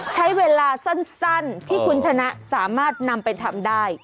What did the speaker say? ใช้เวลาสั้นที่คุณชนะสามารถนำไปทำได้